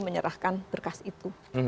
menyerahkan berkas itu